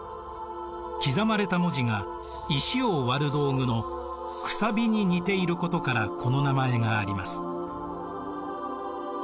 刻まれた文字が石を割る道具の楔に似ていることからこの名前があります。